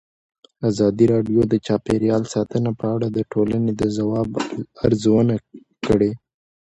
ازادي راډیو د چاپیریال ساتنه په اړه د ټولنې د ځواب ارزونه کړې.